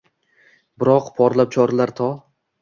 Biroq porlab chorlar to